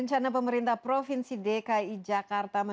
sampai jumpa di insight